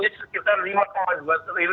dpr dki punya pendah soal pandemi